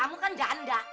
kamu kan danda